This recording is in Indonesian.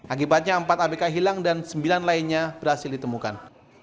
akibatnya empat abk hilang dan sembilan lainnya berhasil ditemukan